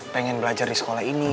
pengen belajar di sekolah ini